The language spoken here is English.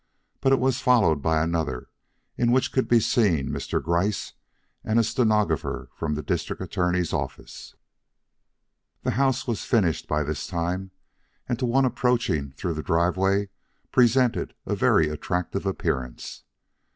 But it was followed by another in which could be seen Mr. Gryce and a stenographer from the District Attorney's office. The house was finished by this time, and to one approaching through the driveway presented a very attractive appearance.